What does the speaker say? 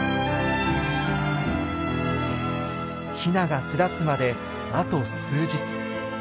ヒナが巣立つまであと数日。